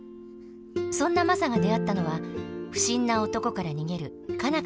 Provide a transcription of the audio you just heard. そんなマサが出会ったのは不審な男から逃げる佳奈